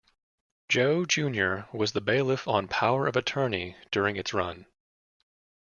Joe, Junior was the bailiff on "Power of Attorney" during its run.